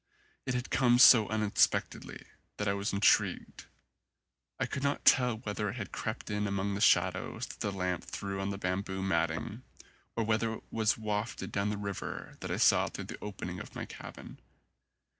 But it had come so unexpectedly that I was intrigued. I could not tell whether it had crept in among the shadows that the lamp threw on the bamboo matting or whether it was wafted down the river that I saw through the opening of my cabin.